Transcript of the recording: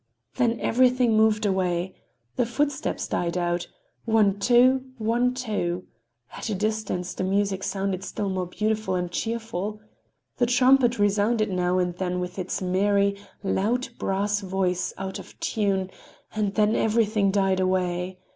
Then everything moved away. The footsteps died out—One—two! One—two! At a distance the music sounded still more beautiful and cheerful. The trumpet resounded now and then with its merry, loud brass voice, out of tune,—and then everything died away.